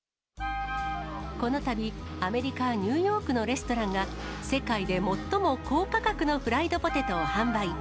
このたび、アメリカ・ニューヨークのレストランが、世界で最も高価格のフライドポテトを販売。